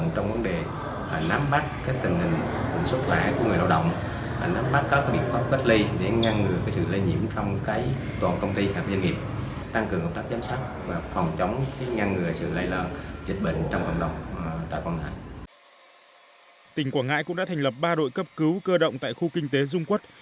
tỉnh quảng ngãi cũng đã thành lập ba đội cấp cứu cơ động tại khu kinh tế dung quốc